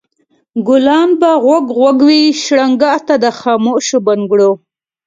ګلان به غوږ غوږ وي شرنګا ته د خاموشو بنګړو